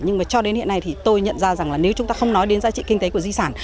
nhưng mà cho đến hiện nay thì tôi nhận ra rằng là nếu chúng ta không nói đến giá trị kinh tế của di sản